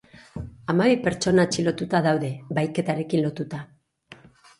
Hamabi pertsona atxilotuta daude, bahiketarekin lotuta.